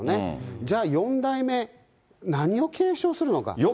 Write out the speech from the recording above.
じゃあ、４代目、何を継承するのか。